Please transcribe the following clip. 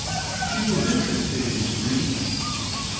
She was interested in dreams.